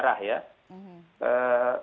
pertama saya meyakini pdi perjuangan ini akan berjalan